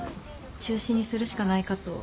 中止にするしかないかと。